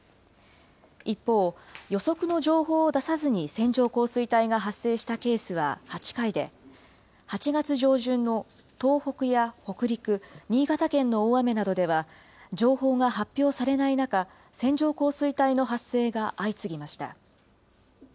一方、予測の情報を出さずに線状降水帯が発生したケースは８回で、８月上旬の東北や北陸、新潟県の大雨などでは、情報が発表されない中、線状降水帯の発生が相次ぎました。